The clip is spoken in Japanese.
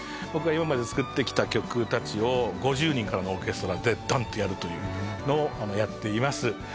僕が今まで作ってきた曲たちを５０人からのオーケストラでダンってやるというのをやっています